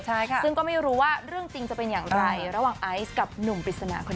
ใช่ค่ะซึ่งก็ไม่รู้ว่าเรื่องจริงจะเป็นอย่างไรระหว่างไอซ์กับหนุ่มปริศนาคนนี้